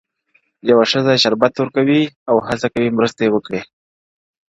يوه ښځه شربت ورکوي او هڅه کوي مرسته وکړي-